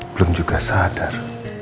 belum juga sadar